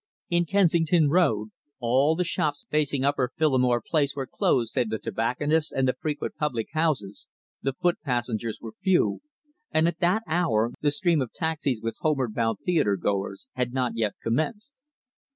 In Kensington Road all the shops facing Upper Phillimore Place were closed save the tobacconist's and the frequent public houses, the foot passengers were few, and at that hour the stream of taxis with homeward bound theatre goers had not yet commenced.